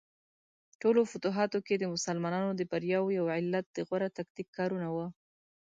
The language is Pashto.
ټولو فتوحاتو کې د مسلمانانو د بریاوو یو علت د غوره تکتیک کارونه وه.